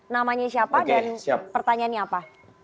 namanya siapa dan pertanyaannya apa